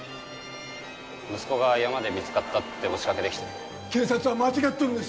「息子が山で見つかった」って押しかけてきて警察は間違っとるんです